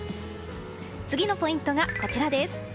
次のポイントがこちらです。